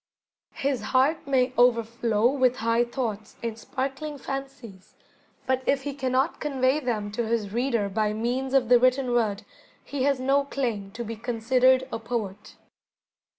His heart may overflow with high thoughts and sparkling fancies, but if he cannot convey them to his reader by means of the written word he has no claim to be considered a poet.